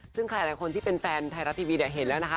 ซึ่งหลายคนที่เป็นแฟนไทยรัดทีวีเห็นแล้วนะคะ